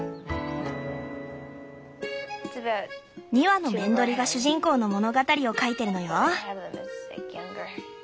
２羽のめんどりが主人公の物語を書いてるのよ。